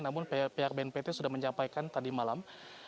namun pihak bnpt sudah menyampaikan tadi malam